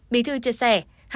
bí thư chia sẻ